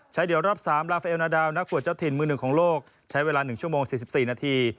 เดียวรอบ๓ลาเฟลนาดาวนักขวดเจ้าถิ่นมือหนึ่งของโลกใช้เวลา๑ชั่วโมง๔๔นาที